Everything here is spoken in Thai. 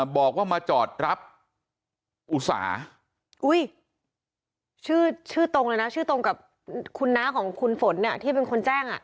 บอกว่ามาจอดรับอุสาอุ้ยชื่อชื่อตรงเลยนะชื่อตรงกับคุณน้าของคุณฝนเนี่ยที่เป็นคนแจ้งอ่ะ